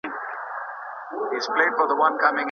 ولي د ژوند په هره برخه کي نظم او دسپلین اړین دی؟